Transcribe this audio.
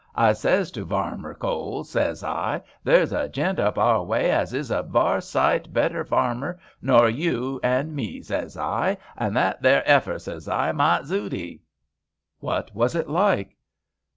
I zays to Varmer Coles, zays I, there's a gent up our way as is a var sight better varmer nor you and me, zays I ; and that there 'eifer, zays I, might zute 'e." " What was it like